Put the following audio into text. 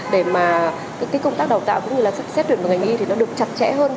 để mà công tác đào tạo cũng như là xét tuyển của ngành y thì nó được chặt chẽ hơn